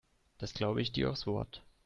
Das glaube ich dir aufs Wort.